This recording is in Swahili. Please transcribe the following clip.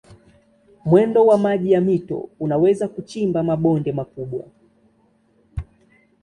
Mwendo wa maji ya mito unaweza kuchimba mabonde makubwa.